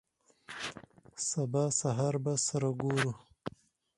سبا سهار به سره ګورو.